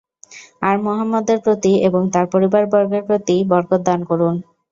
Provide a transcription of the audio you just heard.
আর মুহাম্মদের প্রতি এবং তার পরিবারবর্গের প্রতি বরকত দান করুন।